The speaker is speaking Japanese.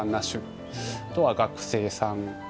あとは学生さん